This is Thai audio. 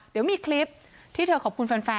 เดี๋ยวมีคลิปที่เธอขอบคุณแฟน